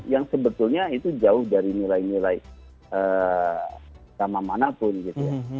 yang sebetulnya itu jauh dari nilai nilai agama manapun gitu ya